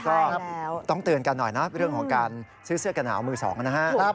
ก็ต้องเตือนกันหน่อยนะเรื่องของการซื้อเสื้อกระหนาวมือสองนะฮะ